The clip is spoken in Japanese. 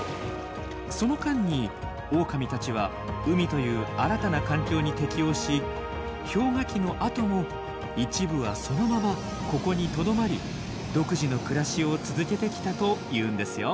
その間にオオカミたちは海という新たな環境に適応し氷河期のあとも一部はそのままここにとどまり独自の暮らしを続けてきたというんですよ。